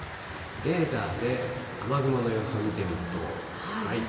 レーダーで雨雲の様子を見てみると。